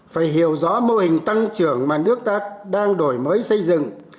phải hiểu rõ mô hình tăng trưởng mà nước ta đang đổi mới xây dựng